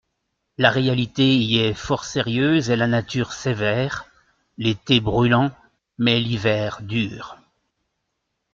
La réalité y est fort sérieuse et la nature sévère, l'été brûlant, mais l'hiver dur.